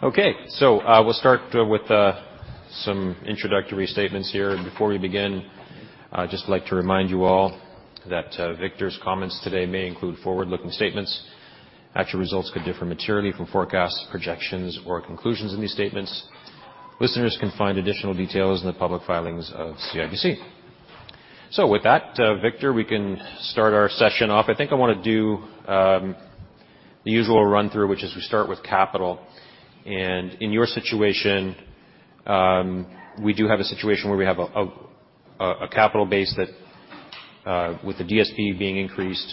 Okay. We'll start with some introductory statements here. Before we begin, I'd just like to remind you all that Victor's comments today may include forward-looking statements. Actual results could differ materially from forecasts, projections, or conclusions in these statements. Listeners can find additional details in the public filings of CIBC. With that, Victor, we can start our session off. I think I wanna do the usual run-through, which is we start with capital. In your situation, we do have a situation where we have a capital base that with the DSB being increased,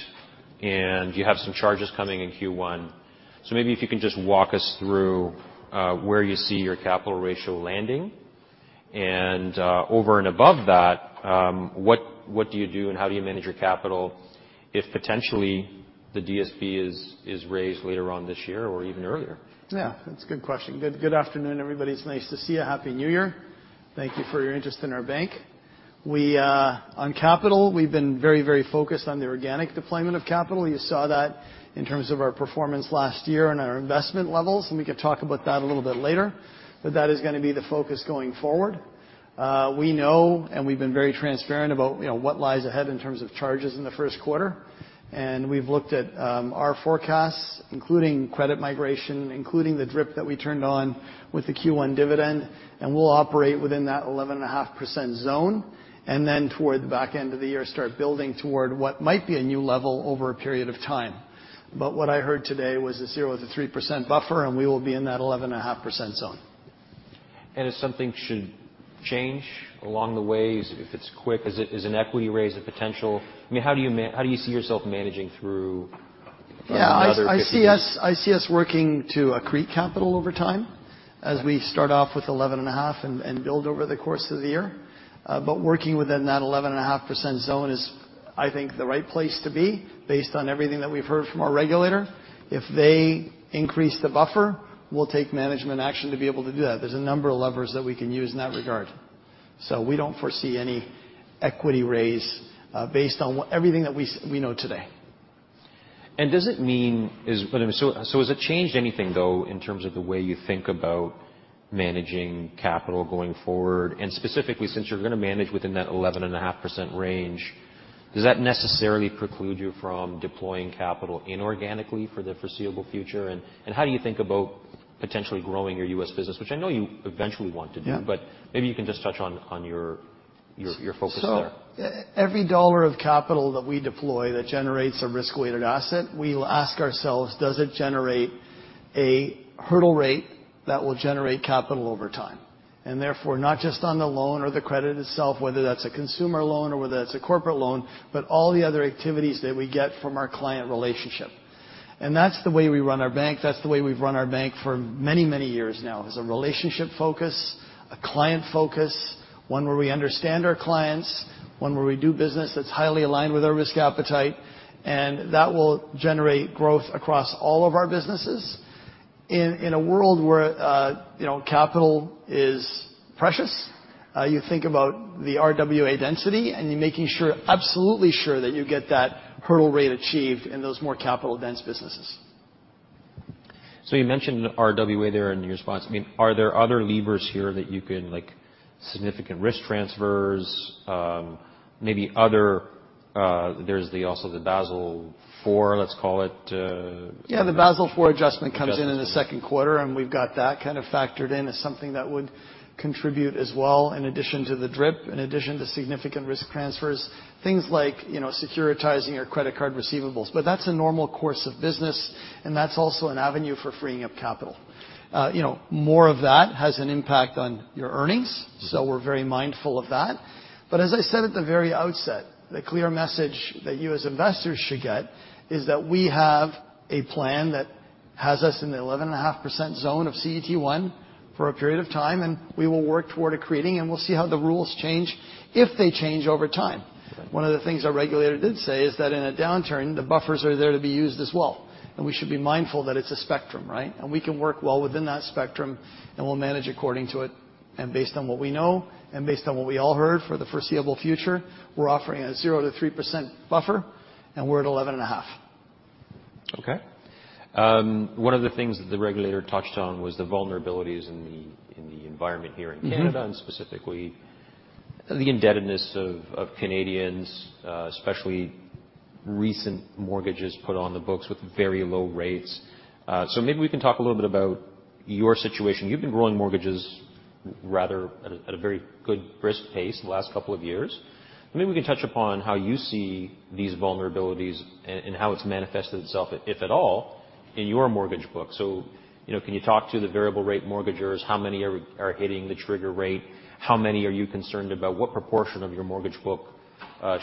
and you have some charges coming in Q1. Maybe if you can just walk us through where you see your capital ratio landing. Over and above that, what do you do and how do you manage your capital if potentially the DSB is raised later on this year or even earlier? Yeah, it's a good question. Good afternoon, everybody. It's nice to see you. Happy New Year. Thank you for your interest in our bank. We, on capital, we've been very focused on the organic deployment of capital. You saw that in terms of our performance last year and our investment levels, we could talk about that a little bit later. That is gonna be the focus going forward. We know, we've been very transparent about, you know, what lies ahead in terms of charges in the first quarter. We've looked at our forecasts, including credit migration, including the DRIP that we turned on with the Q1 dividend, we'll operate within that 11.5% zone, then toward the back end of the year, start building toward what might be a new level over a period of time. What I heard today was a 0%-3% buffer, and we will be in that 11.5% zone. If something should change along the way, if it's quick, is an equity raise a potential? I mean, how do you see yourself managing through? Yeah. from another 50%? I see us working to accrete capital over time as we start off with 11.5% and build over the course of the year. Working within that 11.5% zone is, I think, the right place to be based on everything that we've heard from our regulator. If they increase the buffer, we'll take management action to be able to do that. There's a number of levers that we can use in that regard. We don't foresee any equity raise based on everything that we know today. Does it mean, so has it changed anything, though, in terms of the way you think about managing capital going forward? And specifically, since you're gonna manage within that 11.5% range, does that necessarily preclude you from deploying capital inorganically for the foreseeable future? And how do you think about potentially growing your U.S. business? Which I know you eventually want to do. Yeah. Maybe you can just touch on your focus there. Every dollar of capital that we deploy that generates a risk-weighted asset, we'll ask ourselves, does it generate a hurdle rate that will generate capital over time? Therefore, not just on the loan or the credit itself, whether that's a consumer loan or whether that's a corporate loan, but all the other activities that we get from our client relationship. That's the way we run our bank. That's the way we've run our bank for many, many years now. There's a relationship focus, a client focus, one where we understand our clients, one where we do business that's highly aligned with our risk appetite, and that will generate growth across all of our businesses. In a world where, you know, capital is precious, you think about the RWA density, and you're making sure, absolutely sure that you get that hurdle rate achieved in those more capital-dense businesses. You mentioned RWA there in your response. I mean, are there other levers here that you can, like, significant risk transfer, maybe other, there's the also the Basel IV, let's call it. Yeah, the Basel IV adjustment comes in Adjustment. In the second quarter, we've got that kind of factored in as something that would contribute as well, in addition to the DRIP, in addition to significant risk transfer, things like, you know, securitizing your credit card receivables. That's a normal course of business, and that's also an avenue for freeing up capital. You know, more of that has an impact on your earnings, so we're very mindful of that. As I said at the very outset, the clear message that you as investors should get is that we have a plan that has us in the 11.5% zone of CET1 for a period of time, and we will work toward accreting, and we'll see how the rules change if they change over time. Okay. One of the things our regulator did say is that in a downturn, the buffers are there to be used as well, and we should be mindful that it's a spectrum, right? We can work well within that spectrum, and we'll manage according to it. Based on what we know, and based on what we all heard for the foreseeable future, we're offering a 0%-3% buffer, and we're at 11.5%. Okay. One of the things that the regulator touched on was the vulnerabilities in the environment here in Canada. Mm-hmm. specifically the indebtedness of Canadians, especially recent mortgages put on the books with very low rates. Maybe we can talk a little bit about your situation. You've been growing mortgages rather at a very good brisk pace the last couple of years. Maybe we can touch upon how you see these vulnerabilities and how it's manifested itself, if at all, in your mortgage book. You know, can you talk to the variable rate mortgagors? How many are hitting the trigger rate? How many are you concerned about? What proportion of your mortgage book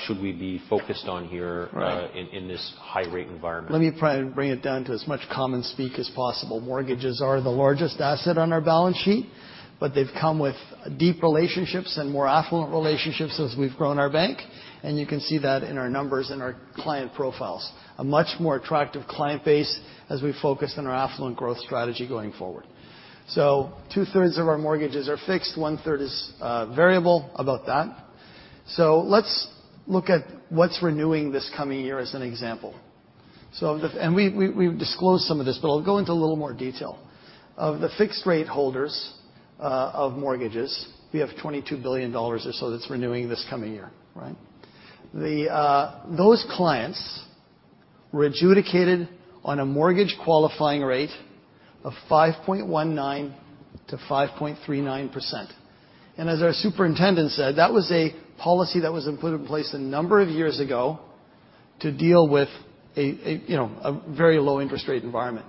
should we be focused on here? Right. in this high rate environment? Let me try and bring it down to as much common speak as possible. Mortgages are the largest asset on our balance sheet, but they've come with deep relationships and more affluent relationships as we've grown our bank, and you can see that in our numbers and our client profiles. A much more attractive client base as we focus on our affluent growth strategy going forward. Two-thirds of our mortgages are fixed, one-third is variable, about that. Let's look at what's renewing this coming year as an example. We've disclosed some of this, but I'll go into a little more detail. Of the fixed rate holders of mortgages, we have 22 billion dollars or so that's renewing this coming year, right? Those clients were adjudicated on a mortgage qualifying rate of 5.19%-5.39%. As our superintendent said, that was a policy that was put in place a number of years ago to deal with a, you know, a very low interest rate environment.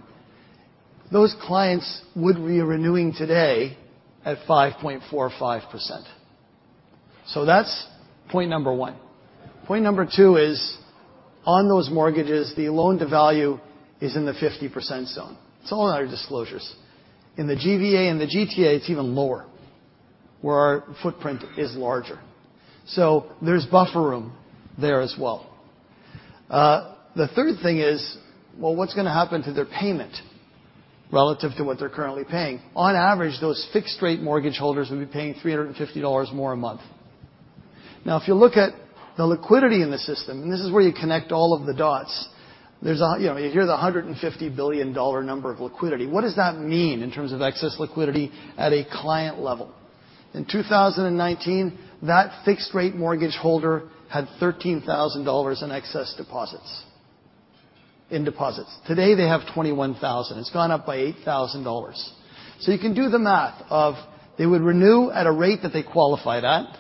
Those clients would be renewing today at 5.45%. That's point number one. Point number two is, on those mortgages, the loan-to-value is in the 50% zone. It's all in our disclosures. In the GVA and the GTA, it's even lower, where our footprint is larger. There's buffer room there as well. The third thing is, well, what's gonna happen to their payment relative to what they're currently paying? On average, those fixed rate mortgage holders will be paying 350 dollars more a month. If you look at the liquidity in the system, and this is where you connect all of the dots, there's, you know, you hear the 150 billion dollar number of liquidity. What does that mean in terms of excess liquidity at a client level? In 2019, that fixed rate mortgage holder had 13,000 dollars in excess deposits, in deposits. Today, they have 21,000. It's gone up by 8,000 dollars. You can do the math of they would renew at a rate that they qualify at,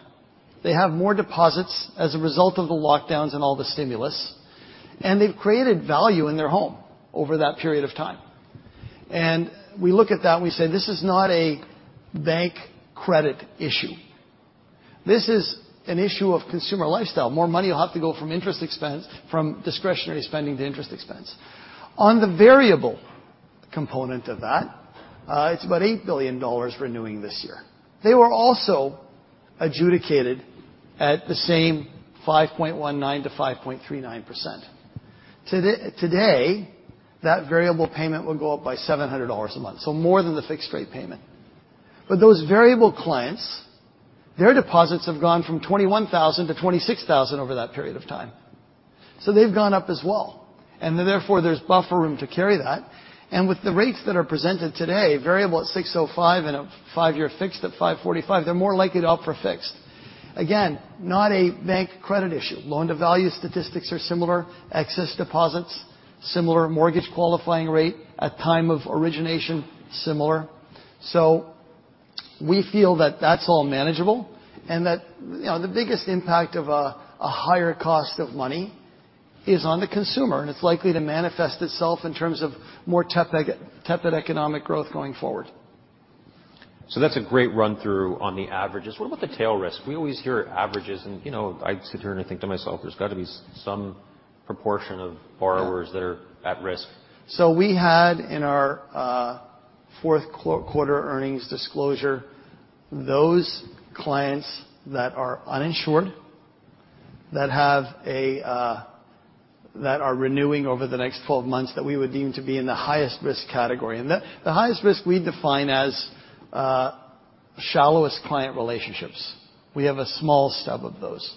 they have more deposits as a result of the lockdowns and all the stimulus, and they've created value in their home over that period of time. We look at that and we say, "This is not a bank credit issue. This is an issue of consumer lifestyle." More money will have to go from interest expense from discretionary spending to interest expense. On the variable component of that, it's about 8 billion dollars renewing this year. They were also adjudicated at the same 5.19%-5.39%. Today, that variable payment will go up by 700 dollars a month, so more than the fixed rate payment. Those variable clients, their deposits have gone from 21,000 to 26,000 over that period of time. They've gone up as well, and therefore, there's buffer room to carry that. With the rates that are presented today, variable at 6.05% and a five-year fixed at 5.45%, they're more likely to opt for fixed. Again, not a bank credit issue. loan-to-value statistics are similar. Excess deposits, similar. Mortgage qualifying rate at time of origination, similar. We feel that that's all manageable and that, you know, the biggest impact of a higher cost of money is on the consumer, and it's likely to manifest itself in terms of more tepid economic growth going forward. That's a great run-through on the averages. What about the tail risk? We always hear averages and, you know, I sit here and I think to myself, there's gotta be some proportion of borrowers. Yeah. that are at risk. We had in our fourth quarter earnings disclosure, those clients that are uninsured, that have a that are renewing over the next 12 months, that we would deem to be in the highest risk category. And the highest risk we define as shallowest client relationships. We have a small stub of those.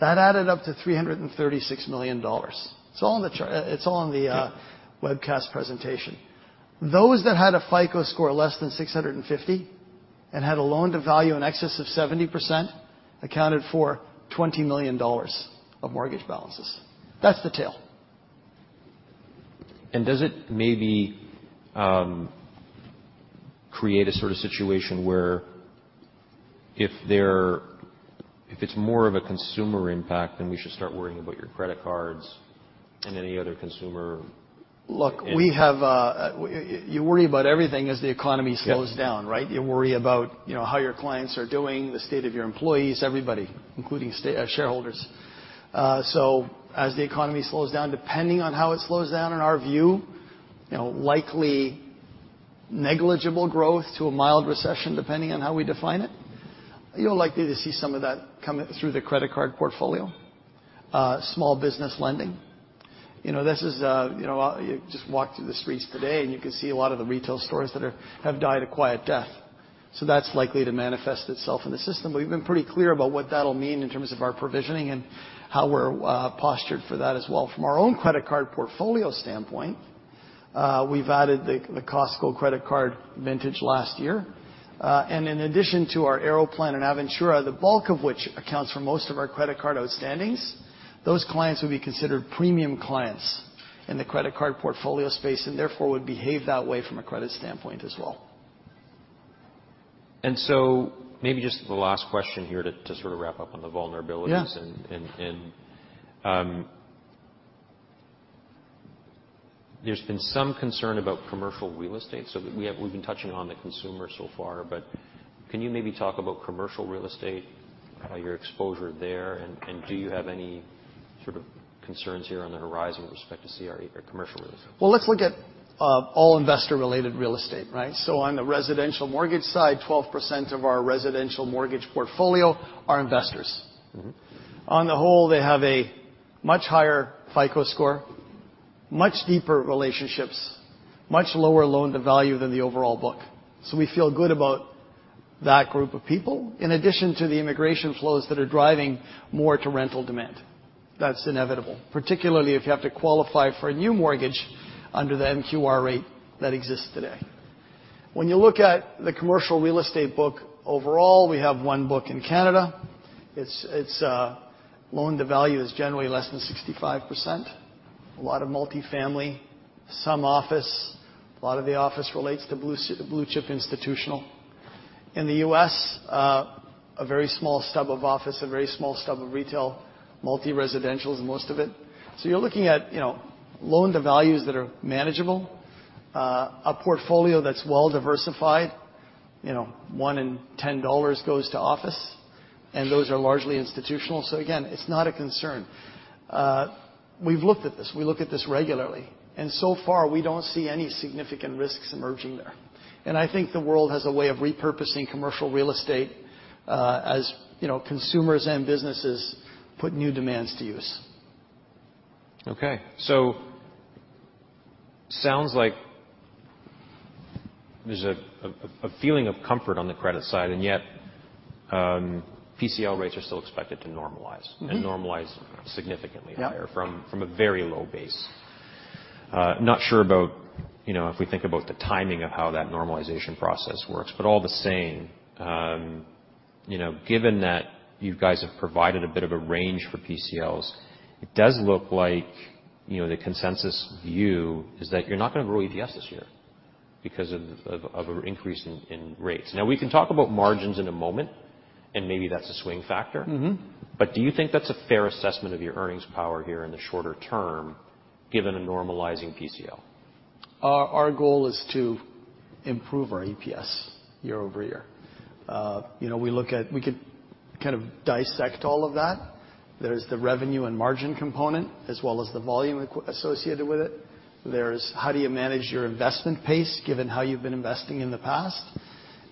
That added up to $336 million. It's all in the webcast presentation. Those that had a FICO score less than 650 and had a loan-to-value in excess of 70% accounted for $20 million of mortgage balances. That's the tail. Does it maybe create a sort of situation where if it's more of a consumer impact, then we should start worrying about your credit cards and any other consumer? Look, we have. You worry about everything as the economy slows down, right? Yeah. You worry about how your clients are doing, the state of your employees, everybody, including shareholders. As the economy slows down, depending on how it slows down, in our view, likely negligible growth to a mild recession, depending on how we define it, you're likely to see some of that come in through the credit card portfolio, small business lending. This is, you just walk through the streets today and you can see a lot of the retail stores that have died a quiet death. That's likely to manifest itself in the system. We've been pretty clear about what that'll mean in terms of our provisioning and how we're postured for that as well. From our own credit card portfolio standpoint, we've added the Costco credit card vintage last year. In addition to our Aeroplan and Aventura, the bulk of which accounts for most of our credit card outstandings, those clients will be considered premium clients in the credit card portfolio space and therefore would behave that way from a credit standpoint as well. Maybe just the last question here to sort of wrap up on the vulnerabilities. Yeah. There's been some concern about commercial real estate. We've been touching on the consumer so far, but can you maybe talk about commercial real estate, your exposure there, do you have any sort of concerns here on the horizon with respect to CRE or commercial real estate? Let's look at all investor-related real estate, right? On the residential mortgage side, 12% of our residential mortgage portfolio are investors. Mm-hmm. On the whole, they have a much higher FICO score. Much deeper relationships, much lower loan-to-value than the overall book. We feel good about that group of people, in addition to the immigration flows that are driving more to rental demand. That's inevitable, particularly if you have to qualify for a new mortgage under the MQR rate that exists today. When you look at the commercial real estate book overall, we have one book in Canada. It's loan-to-value is generally less than 65%. A lot of multi-family, some office. A lot of the office relates to blue-chip institutional. In the U.S., a very small stub of office, a very small stub of retail, multi-residential is most of it. You're looking at, you know, loan-to-values that are manageable, a portfolio that's well diversified. You know, 1 in 10 dollars goes to office, and those are largely institutional. Again, it's not a concern. We've looked at this. We look at this regularly. So far, we don't see any significant risks emerging there. I think the world has a way of repurposing commercial real estate, as, you know, consumers and businesses put new demands to use. Sounds like there's a feeling of comfort on the credit side, and yet, PCL rates are still expected to normalize. Mm-hmm. normalize significantly- Yep... higher from a very low base. Not sure about, you know, if we think about the timing of how that normalization process works. All the same, you know, given that you guys have provided a bit of a range for PCLs, it does look like, you know, the consensus view is that you're not gonna grow EPS this year because of an increase in rates. Now, we can talk about margins in a moment, and maybe that's a swing factor. Mm-hmm. Do you think that's a fair assessment of your earnings power here in the shorter term, given a normalizing PCL? Our goal is to improve our EPS year-over-year. You know, we could kind of dissect all of that. There's the revenue and margin component as well as the volume associated with it. There's how do you manage your investment pace given how you've been investing in the past,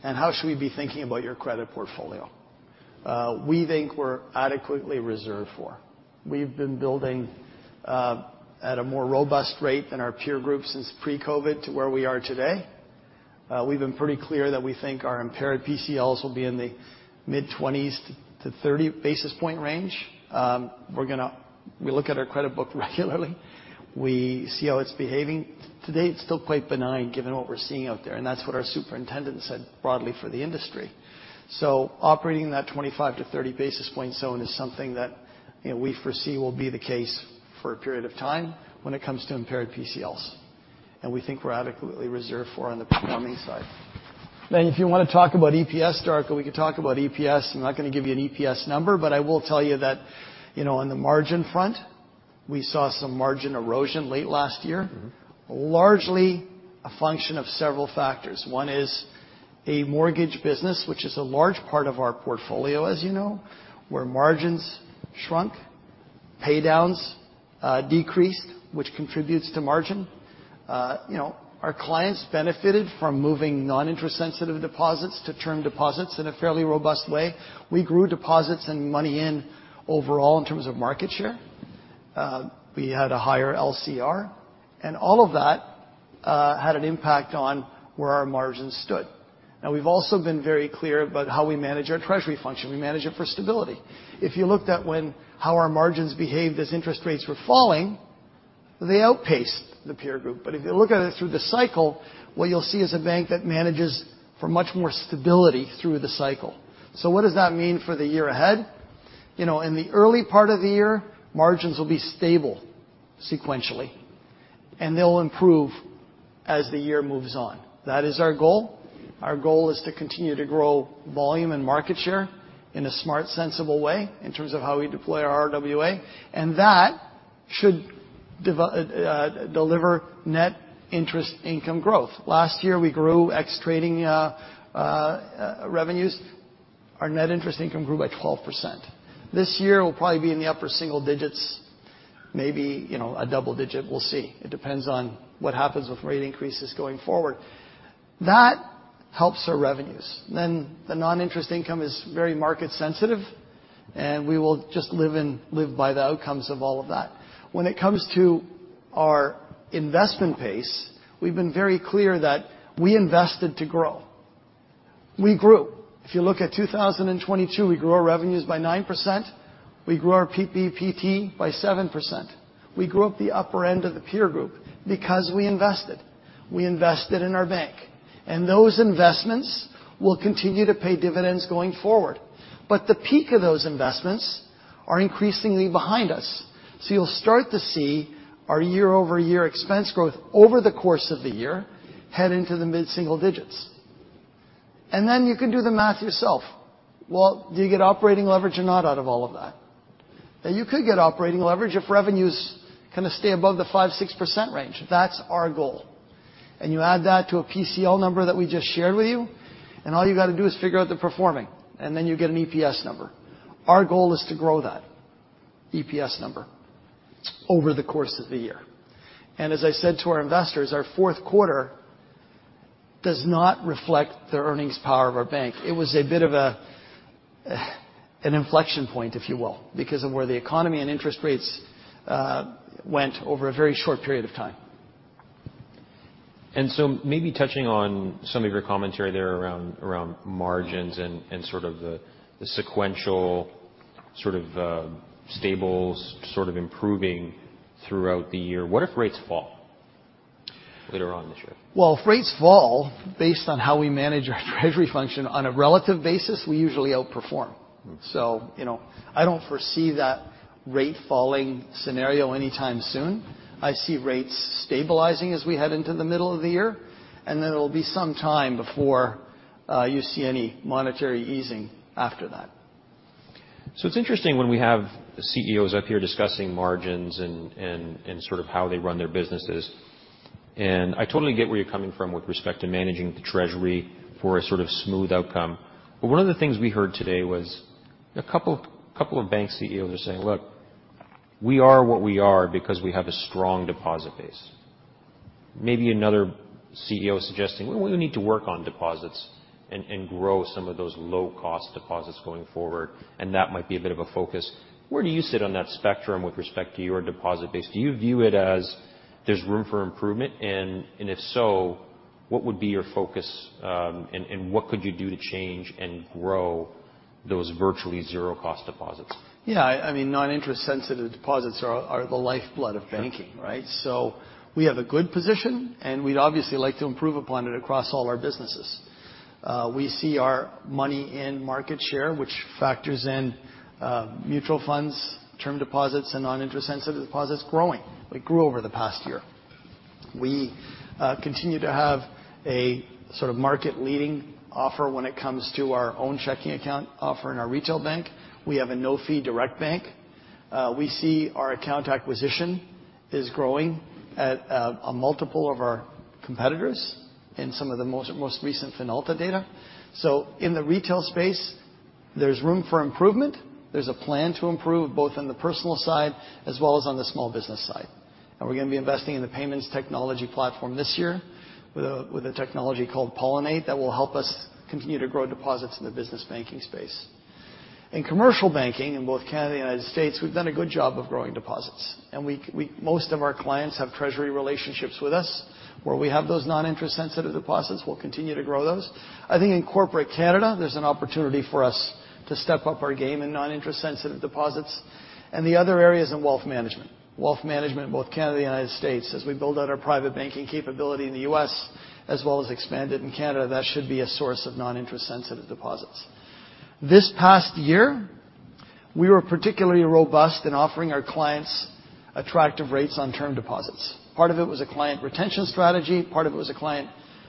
and how should we be thinking about your credit portfolio. We think we're adequately reserved for. We've been building at a more robust rate than our peer group since pre-COVID to where we are today. We've been pretty clear that we think our impaired PCLs will be in the mid-20s to 30 basis point range. We look at our credit book regularly. We see how it's behaving. To date, it's still quite benign given what we're seeing out there. That's what our superintendent said broadly for the industry. Operating in that 25 to 30 basis point zone is something that, you know, we foresee will be the case for a period of time when it comes to impaired PCLs, and we think we're adequately reserved for on the performing side. If you wanna talk about EPS, Darko, we could talk about EPS. I'm not gonna give you an EPS number. I will tell you that, you know, on the margin front, we saw some margin erosion late last year. Mm-hmm. Largely a function of several factors. One is a mortgage business, which is a large part of our portfolio, as you know, where margins shrunk, paydowns decreased, which contributes to margin. You know, our clients benefited from moving non-interest sensitive deposits to term deposits in a fairly robust way. We grew deposits and money in overall in terms of market share. We had a higher LCR. All of that had an impact on where our margins stood. Now, we've also been very clear about how we manage our treasury function. We manage it for stability. If you looked at how our margins behaved as interest rates were falling, they outpaced the peer group. If you look at it through the cycle, what you'll see is a bank that manages for much more stability through the cycle. What does that mean for the year ahead? You know, in the early part of the year, margins will be stable sequentially, and they'll improve as the year moves on. That is our goal. Our goal is to continue to grow volume and market share in a smart, sensible way in terms of how we deploy our RWA, and that should deliver net interest income growth. Last year, we grew ex trading revenues. Our net interest income grew by 12%. This year will probably be in the upper single digits, maybe, you know, a double digit. We'll see. It depends on what happens with rate increases going forward. That helps our revenues. The non-interest income is very market sensitive, and we will just live by the outcomes of all of that. When it comes to our investment pace, we've been very clear that we invested to grow. We grew. If you look at 2022, we grew our revenues by 9%. We grew our PPPT by 7%. We grew at the upper end of the peer group because we invested. We invested in our bank. Those investments will continue to pay dividends going forward. The peak of those investments are increasingly behind us. You'll start to see our year-over-year expense growth over the course of the year head into the mid-single digits. Then you can do the math yourself. Well, do you get operating leverage or not out of all of that? Now you could get operating leverage if revenues kind of stay above the 5%, 6% range. That's our goal. You add that to a PCL number that we just shared with you, and all you gotta do is figure out the performing, and then you get an EPS number. Our goal is to grow that EPS number over the course of the year. As I said to our investors, our fourth quarter does not reflect the earnings power of our bank. It was a bit of an inflection point, if you will, because of where the economy and interest rates went over a very short period of time. Maybe touching on some of your commentary there around margins and sort of the sequential sort of stables sort of improving throughout the year. What if rates fall later on in the year? Well, if rates fall, based on how we manage our treasury function on a relative basis, we usually outperform. You know, I don't foresee that rate falling scenario anytime soon. I see rates stabilizing as we head into the middle of the year, it'll be some time before you see any monetary easing after that. It's interesting when we have CEOs up here discussing margins and sort of how they run their businesses. I totally get where you're coming from with respect to managing the treasury for a sort of smooth outcome. But one of the things we heard today was a couple of bank CEOs are saying, "Look, we are what we are because we have a strong deposit base." Maybe another CEO suggesting, "Well, we need to work on deposits and grow some of those low-cost deposits going forward," and that might be a bit of a focus. Where do you sit on that spectrum with respect to your deposit base? Do you view it as there's room for improvement? If so, what would be your focus, and what could you do to change and grow those virtually zero cost deposits? I mean, non-interest sensitive deposits are the lifeblood of banking, right? We have a good position, and we'd obviously like to improve upon it across all our businesses. We see our money in market share, which factors in mutual funds, term deposits, and non-interest sensitive deposits growing. It grew over the past year. We continue to have a sort of market leading offer when it comes to our own checking account offer in our retail bank. We have a no-fee direct bank. We see our account acquisition is growing at a multiple of our competitors in some of the most recent Finalta data. In the retail space, there's room for improvement. There's a plan to improve, both on the personal side as well as on the small business side. We're gonna be investing in the payments technology platform this year with a technology called Pollinate that will help us continue to grow deposits in the business banking space. In commercial banking, in both Canada and United States, we've done a good job of growing deposits. Most of our clients have treasury relationships with us, where we have those non-interest sensitive deposits. We'll continue to grow those. I think in corporate Canada, there's an opportunity for us to step up our game in non-interest sensitive deposits and the other areas in wealth management. Wealth management in both Canada and United States, as we build out our private banking capability in the U.S. as well as expand it in Canada, that should be a source of non-interest sensitive deposits. This past year, we were particularly robust in offering our clients attractive rates on term deposits. Part of it was a client retention strategy, part of it was a client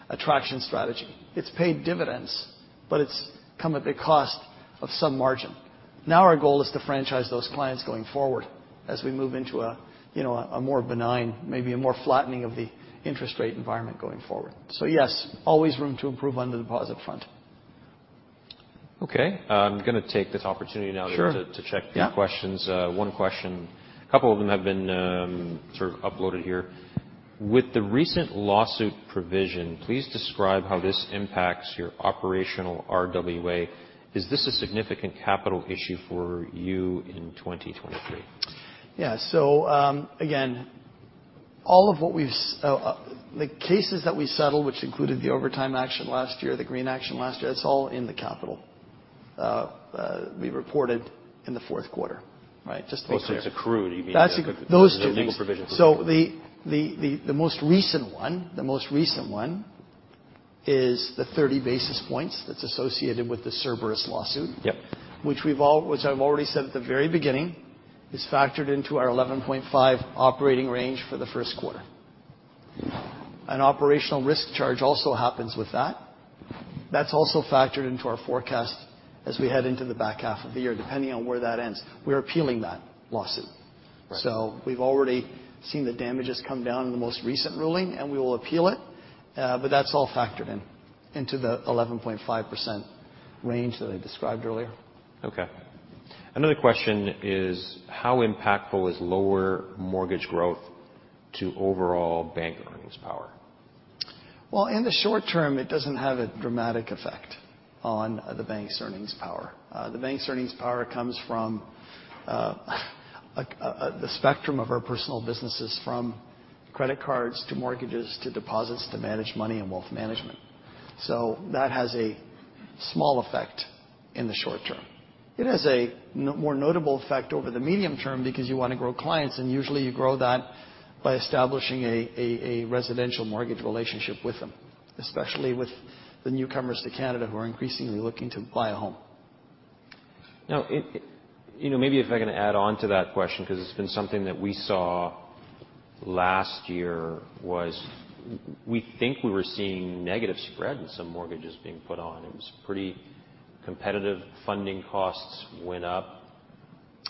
attraction strategy. It's paid dividends, but it's come at the cost of some margin. Our goal is to franchise those clients going forward as we move into a, you know, a more benign, maybe a more flattening of the interest rate environment going forward. Yes, always room to improve on the deposit front. Okay. I'm gonna take this opportunity now- Sure. to check- Yeah.... a few questions. one question. A couple of them have been, sort of uploaded here. With the recent lawsuit provision, please describe how this impacts your operational RWA. Is this a significant capital issue for you in 2023? Yeah. again, the cases that we settled, which included the overtime class action last year, the Green action last year, that's all in the capital, we reported in the fourth quarter. Right? Just to be clear. It's accrued, you mean? That's. Those two.... the legal provision for it. The most recent one is the 30 basis points that's associated with the Cerberus lawsuit. Yep. Which I've already said at the very beginning, is factored into our 11.5% operating range for the first quarter. An operational risk charge also happens with that. That's also factored into our forecast as we head into the back half of the year, depending on where that ends. We're appealing that lawsuit. Right. We've already seen the damages come down in the most recent ruling, and we will appeal it. That's all factored in, into the 11.5% range that I described earlier. Okay. Another question is: How impactful is lower mortgage growth to overall bank earnings power? In the short term, it doesn't have a dramatic effect on the bank's earnings power. The bank's earnings power comes from a the spectrum of our personal businesses, from credit cards to mortgages to deposits to manage money and wealth management. That has a small effect in the short term. It has a more notable effect over the medium term because you wanna grow clients, and usually you grow that by establishing a residential mortgage relationship with them, especially with the newcomers to Canada who are increasingly looking to buy a home. You know, maybe if I can add on to that question, 'cause it's been something that we saw last year, was we think we were seeing negative spread in some mortgages being put on. It was pretty competitive. Funding costs went up.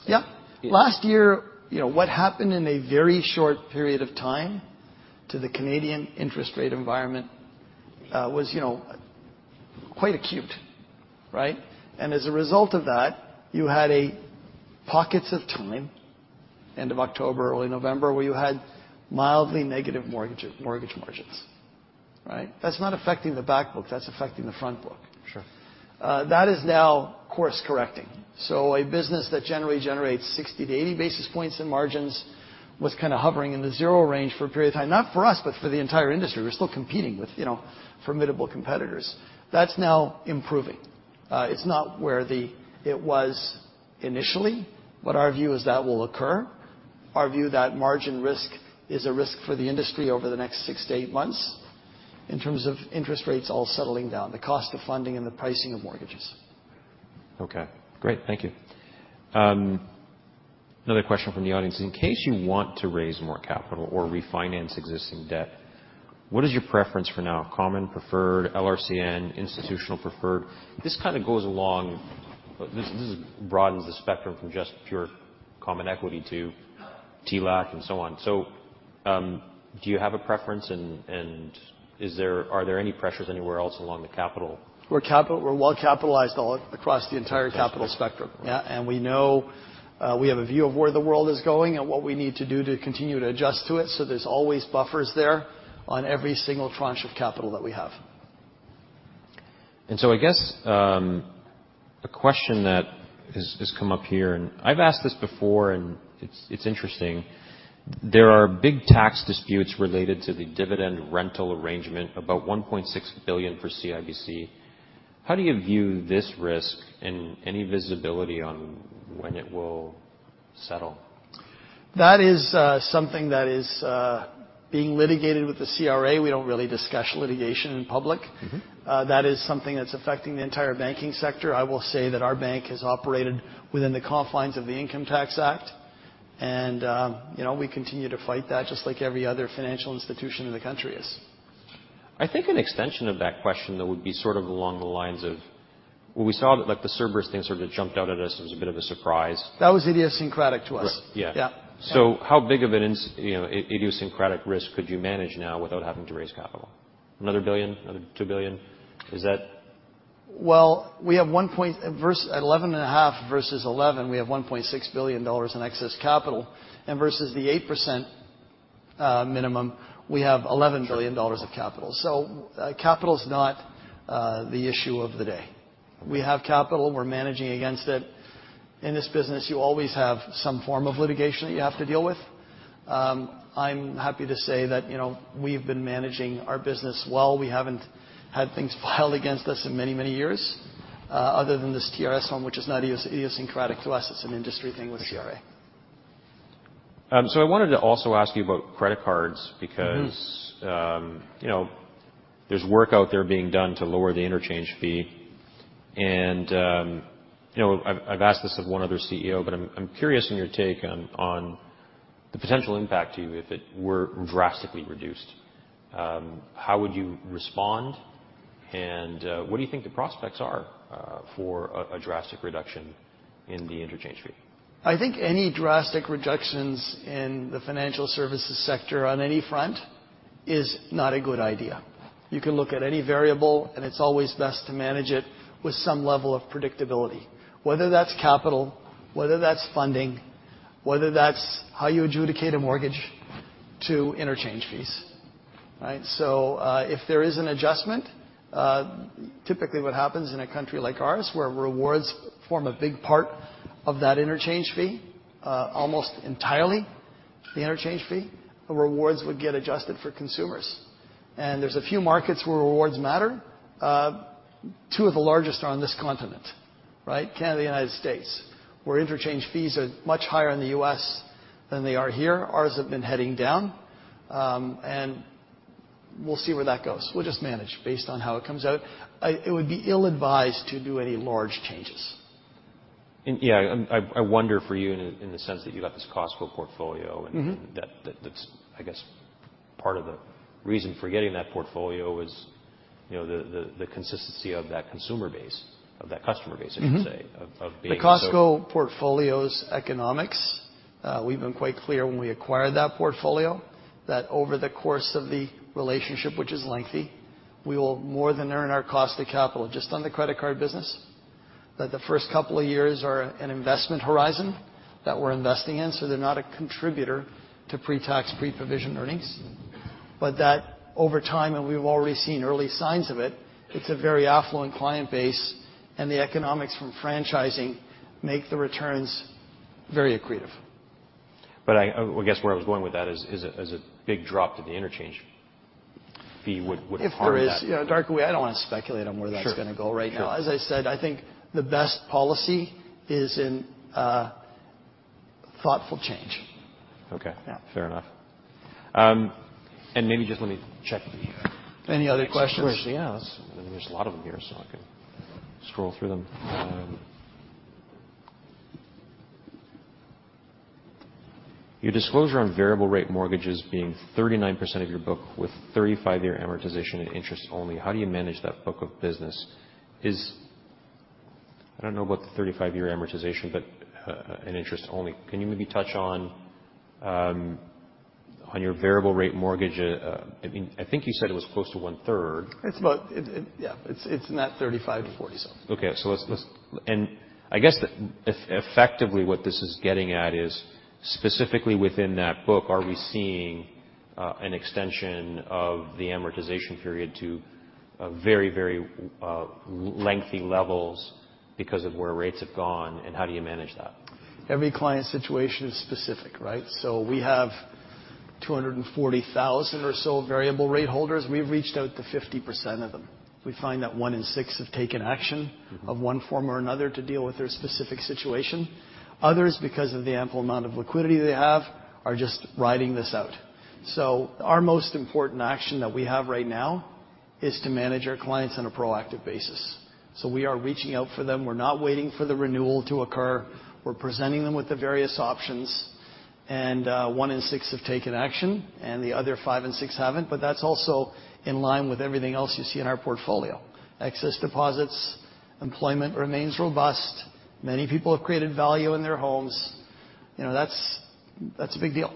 Yeah. It- Last year, you know, what happened in a very short period of time to the Canadian interest rate environment was quite acute, right? As a result of that, you had a pockets of time, end of October, early November, where you had mildly negative mortgage margins, right? That's not affecting the back book, that's affecting the front book. Sure. That is now course correcting. A business that generally generates 60 to 80 basis points in margins was kinda hovering in the zero range for a period of time, not for us, but for the entire industry. We're still competing with, you know, formidable competitors. That's now improving. It's not where it was initially, but our view is that will occur. Our view that margin risk is a risk for the industry over the next six to eight months in terms of interest rates all settling down, the cost of funding and the pricing of mortgages. Okay, great. Thank you. Another question from the audience. In case you want to raise more capital or refinance existing debt, what is your preference for now? Common, preferred, LRCN, institutional preferred. This kinda goes along. This broadens the spectrum from just pure common equity to TLAC and so on. Do you have a preference and are there any pressures anywhere else along the capital? We're well-capitalized all across the entire capital spectrum. Okay. Yeah, we know, we have a view of where the world is going and what we need to do to continue to adjust to it. There's always buffers there on every single tranche of capital that we have. I guess a question that has come up here, and I've asked this before, and it's interesting. There are big tax disputes related to the dividend rental arrangement, about 1.6 billion for CIBC. How do you view this risk and any visibility on when it will settle? That is something that is being litigated with the CRA. We don't really discuss litigation in public. Mm-hmm. That is something that's affecting the entire banking sector. I will say that our bank has operated within the confines of the Income Tax Act. You know, we continue to fight that just like every other financial institution in the country is. I think an extension of that question, though, would be sort of along the lines of when we saw that like the Cerberus thing sort of jumped out at us, it was a bit of a surprise. That was idiosyncratic to us. Right. Yeah. Yeah. Yeah. How big of an, you know, idiosyncratic risk could you manage now without having to raise capital? Another 1 billion? Another 2 billion? At 11.5 versus 11, we have 1.6 billion dollars in excess capital. Versus the 8% minimum, we have 11 billion dollars of capital. Capital's not the issue of the day. We have capital. We're managing against it. In this business, you always have some form of litigation that you have to deal with. I'm happy to say that, you know, we've been managing our business well. We haven't had things filed against us in many, many years, other than this TRS one, which is not idiosyncratic to us. It's an industry thing with CRA. I wanted to also ask you about credit cards. Mm-hmm. You know, there's work out there being done to lower the interchange fee. You know, I've asked this of one other CEO, but I'm curious on your take on the potential impact to you if it were drastically reduced. How would you respond? What do you think the prospects are for a drastic reduction in the interchange fee? I think any drastic reductions in the financial services sector on any front is not a good idea. You can look at any variable, it's always best to manage it with some level of predictability, whether that's capital, whether that's funding, whether that's how you adjudicate a mortgage to interchange fees. Right? If there is an adjustment, typically what happens in a country like ours, where rewards form a big part of that interchange fee, almost entirely the interchange fee, rewards would get adjusted for consumers. There's a few markets where rewards matter. Two of the largest are on this continent, right? Canada and United States, where interchange fees are much higher in the U.S. than they are here. Ours have been heading down. We'll see where that goes. We'll just manage based on how it comes out. It would be ill-advised to do any large changes. Yeah, I wonder for you in the sense that you got this Costco portfolio. Mm-hmm. That's, I guess, part of the reason for getting that portfolio is, you know, the consistency of that consumer base, of that customer base. Mm-hmm. I would say, of being so- The Costco portfolio's economics, we've been quite clear when we acquired that portfolio that over the course of the relationship, which is lengthy, we will more than earn our cost of capital just on the credit card business, that the first couple of years are an investment horizon that we're investing in, so they're not a contributor to pre-tax, pre-provision earnings. That over time, and we've already seen early signs of it's a very affluent client base, and the economics from franchising make the returns very accretive. Well, I guess where I was going with that is a big drop to the interchange fee would harm that. If there is. You know, Darko, I don't wanna speculate on where that's gonna go right now. Sure, sure. As I said, I think the best policy is in thoughtful change. Okay. Yeah. Fair enough. maybe just let me check. Any other questions? Of course, yeah. There's a lot of them here, so I can scroll through them. Your disclosure on variable rate mortgages being 39% of your book with 35-year amortization and interest only, how do you manage that book of business? I don't know about the 35-year amortization, but an interest only. Can you maybe touch on your variable rate mortgage? I mean, I think you said it was close to 1/3. Yeah. It's in that 35 to forty-something. Okay. Let's I guess effectively what this is getting at is, specifically within that book, are we seeing an extension of the amortization period to a very, very lengthy levels because of where rates have gone, and how do you manage that? Every client situation is specific, right? We have 240,000 or so variable rate holders. We've reached out to 50% of them. We find that one in six have taken action- Mm-hmm. of one form or another to deal with their specific situation. Others, because of the ample amount of liquidity they have, are just riding this out. Our most important action that we have right now is to manage our clients on a proactive basis. We are reaching out for them. We're not waiting for the renewal to occur. We're presenting them with the various options, one in six have taken action, the other five in six haven't, that's also in line with everything else you see in our portfolio. Excess deposits, employment remains robust. Many people have created value in their homes. You know, that's a big deal.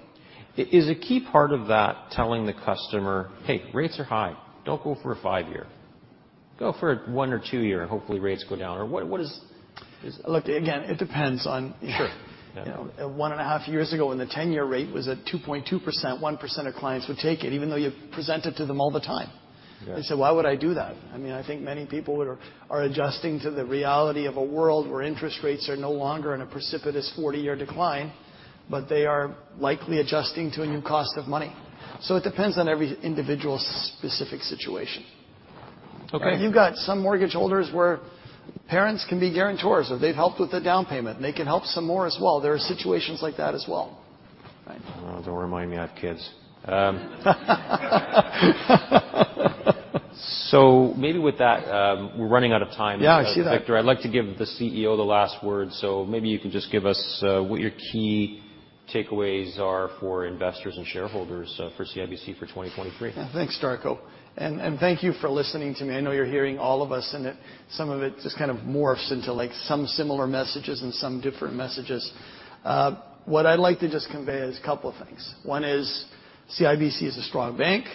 Is a key part of that telling the customer, "Hey, rates are high. Don't go for a five year. Go for a one or two year, and hopefully rates go down"? What is... Look, again, it depends on-. Sure. Yeah. You know, 1.5 years ago, when the 10-year rate was at 2.2%, 1% of clients would take it, even though you present it to them all the time. Yeah. They say, "Why would I do that?" I mean, I think many people are adjusting to the reality of a world where interest rates are no longer in a precipitous 40-year decline. They are likely adjusting to a new cost of money. It depends on every individual's specific situation. Okay. You've got some mortgage holders where parents can be guarantors, or they've helped with the down payment, and they can help some more as well. There are situations like that as well. Right? Oh, don't remind me. I have kids. Maybe with that, we're running out of time. Yeah, I see that. Victor, I'd like to give the CEO the last word, so maybe you can just give us what your key takeaways are for investors and shareholders for CIBC for 2023. Yeah. Thanks, Darko. Thank you for listening to me. I know you're hearing all of us, some of it just kind of morphs into, like, some similar messages and some different messages. What I'd like to just convey is a couple things. One is CIBC is a strong bank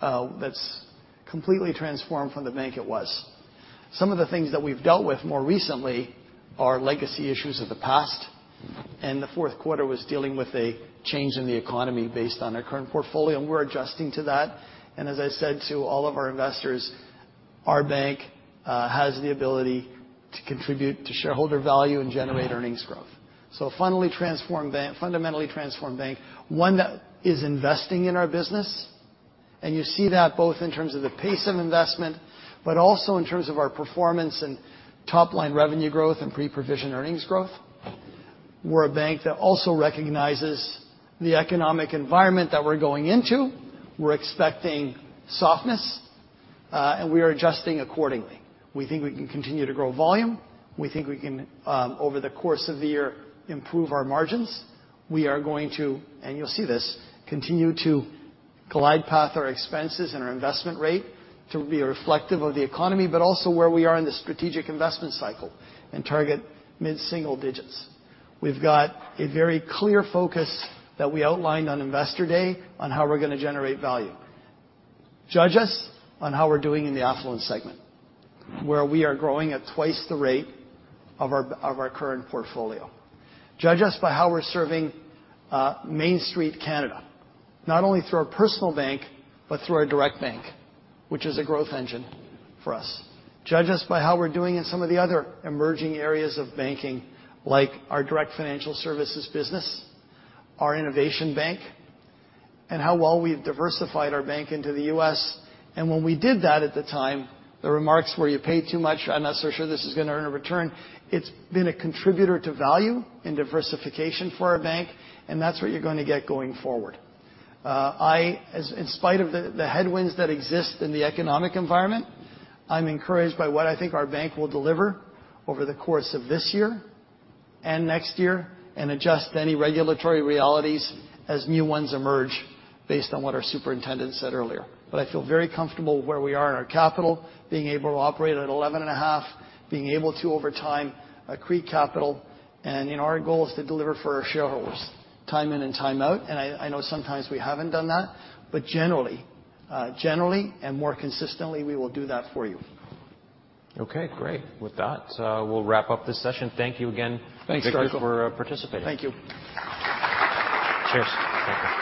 that's completely transformed from the bank it was. Some of the things that we've dealt with more recently are legacy issues of the past, the fourth quarter was dealing with a change in the economy based on our current portfolio, we're adjusting to that. As I said to all of our investors, our bank has the ability to contribute to shareholder value and generate earnings growth. A fundamentally transformed bank, one that is investing in our business, and you see that both in terms of the pace of investment, but also in terms of our performance and top-line revenue growth and pre-provision earnings growth. We're a bank that also recognizes the economic environment that we're going into. We're expecting softness, and we are adjusting accordingly. We think we can continue to grow volume. We think we can, over the course of the year, improve our margins. We are going to, and you'll see this, continue to glide path our expenses and our investment rate to be reflective of the economy, but also where we are in the strategic investment cycle and target mid-single digits. We've got a very clear focus that we outlined on Investor Day on how we're gonna generate value. Judge us on how we're doing in the affluence segment, where we are growing at twice the rate of our, of our current portfolio. Judge us by how we're serving Main Street Canada, not only through our personal bank, but through our direct bank, which is a growth engine for us. Judge us by how we're doing in some of the other emerging areas of banking, like our Direct Financial Services business, our Innovation Bank, and how well we've diversified our bank into the U.S. When we did that at the time, the remarks were, "You pay too much. I'm not so sure this is gonna earn a return." It's been a contributor to value and diversification for our bank, and that's what you're gonna get going forward. In spite of the headwinds that exist in the economic environment, I'm encouraged by what I think our bank will deliver over the course of this year and next year and adjust any regulatory realities as new ones emerge based on what our superintendent said earlier. I feel very comfortable where we are in our capital, being able to operate at 11.5%, being able to over time, create capital. You know, our goal is to deliver for our shareholders time in and time out. I know sometimes we haven't done that. Generally, generally and more consistently, we will do that for you. Okay. Great. With that, we'll wrap up this session. Thank you again. Thanks, Darko. Victor for participating. Thank you. Cheers. Thank you.